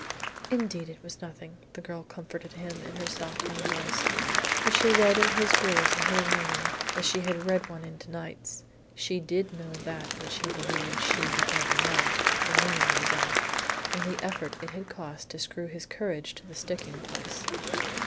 "Indeed it was nothing," the girl comforted him in her soft young voice. But she read in his words a hidden meaning, as she had read one into Knight's. She did know that which he believed she would never know: the meaning of his act, and the effort it had cost to screw his courage to the sticking place.